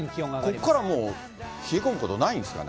ここからはもう冷え込むことはないんですかね。